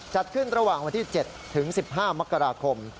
จัดขึ้นระหว่างวันที่๗ถึง๑๕มกราคม